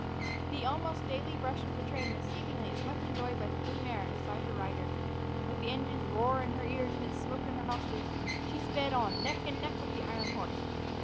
The almost daily brush with the train was seemingly as much enjoyed by the blue mare as by her rider. With the engine's roar in her ears and its smoke in her nostrils, she sped on, neck and neck with the iron horse.